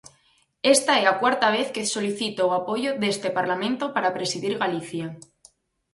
Esta é a cuarta vez que solicito o apoio deste Parlamento para presidir Galicia.